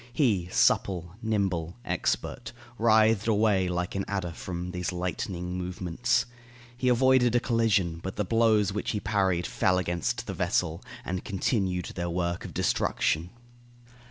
He, supple, nimble, expert, writhed away like an adder from all these lightning movements. He avoided a collision, but the blows which he parried fell against the vessel, and continued their work of destruction.